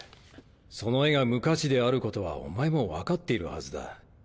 その絵が無価値であることはお前も分かっているはずだ。